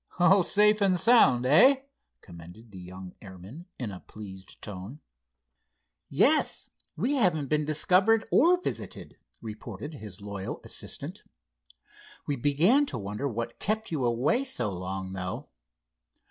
"All safe and sound, eh?" commended the young airman, in a pleased tone. "Yes, we haven't been discovered or visited," reported his loyal assistant. "We began to wonder what kept you away so long, though."